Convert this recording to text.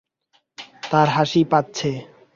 তার হাসি পাচ্ছে।